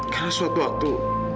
karena suatu waktu